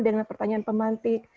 dengan pertanyaan pemantik